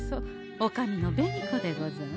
おかみの紅子でござんす。